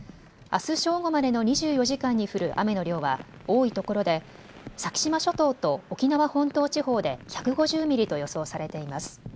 あす正午までの２４時間に降る雨の量は多いところで先島諸島と沖縄本島地方で１５０ミリと予想されています。